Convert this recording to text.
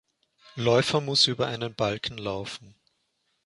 Läufer muss über einen Balken laufen.